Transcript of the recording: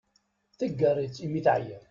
Tegger-itt imi teɛyiḍ.